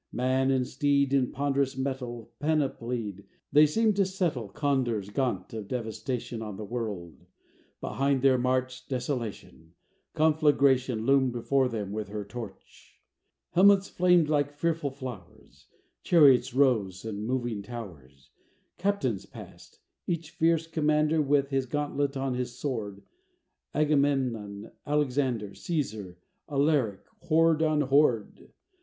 Man and steed in ponderous metal Panoplied, they seemed to settle, Condors gaunt of devastation, On the world: behind their march Desolation: Conflagration Loomed before them with her torch. Helmets flamed like fearful flowers: Chariots rose and moving towers: Captains passed: each fierce commander With his gauntlet on his sword: Agamemnon, Alexander, Cæsar, Alaric, horde on horde.